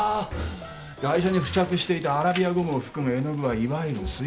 ガイ者に付着していたアラビアゴムを含む絵の具はいわゆる水彩絵の具。